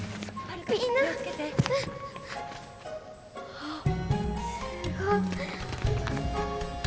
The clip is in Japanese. あっすごい。